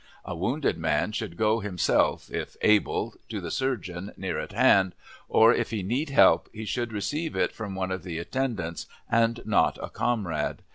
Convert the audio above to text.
A wounded man should go himself (if able) to the surgeon near at hand, or, if he need help, he should receive it from one of the attendants and not a comrade.